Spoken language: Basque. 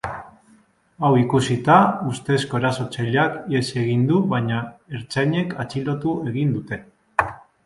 Hau ikusita, ustezko erasotzaileak ihes egin du baina ertzainek atxilotu egin dute.